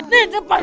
nih cepat dong